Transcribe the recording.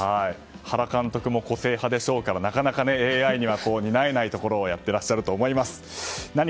原監督も個性派でしょうからなかなかＡＩに担えないところをやっていると思います。